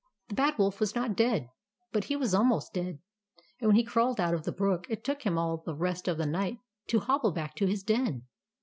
The Bad Wolf was not dead, but he was almost dead ; and when he crawled out of the brook, it took him all the rest of the night to hobble back to his den.